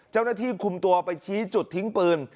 เจ้าหน้าที่คุมตัวไปชี้จุดทิ้งปืน